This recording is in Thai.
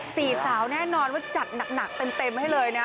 สี่สาวแน่นอนว่าจัดหนักเต็มให้เลยนะ